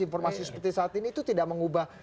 informasi seperti saat ini itu tidak mengubah